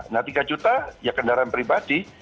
nah tiga juta ya kendaraan pribadi